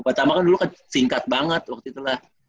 pertama kan dulu kan singkat banget waktu itulah